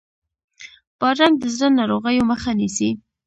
بادرنګ د زړه ناروغیو مخه نیسي.